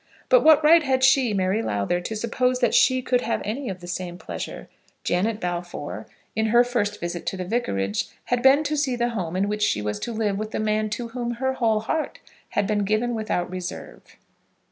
But what right had she, Mary Lowther, to suppose that she could have any of the same pleasure? Janet Balfour, in her first visit to the vicarage, had been to see the home in which she was to live with the man to whom her whole heart had been given without reserve.